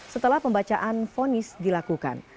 setelah pembacaan fonis dilakukan